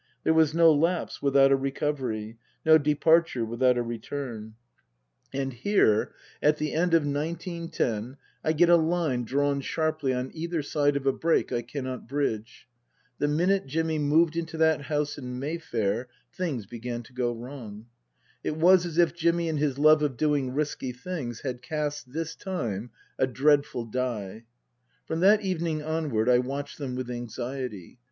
There was no lapse without a recovery, no departure without a return. 13* 196 Tasker Jevons And here, at the end of nineteen ten, I get a line drawn sharply on either side of a break I cannot bridge. The minute Jimmy moved into that house in Mayfair things began to go wrong. It was as if Jimmy, in his love of doing risky things, had cast, this time, a dreadful die. From that evening onward I watched them with anxiety.